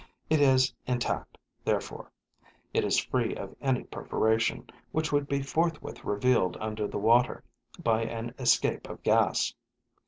It is intact, therefore; it is free of any perforation, which would be forthwith revealed under the water by an escape of gas.